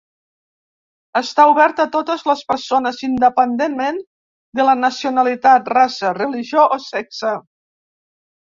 Està obert a totes les persones, independentment de la nacionalitat, raça, religió o sexe.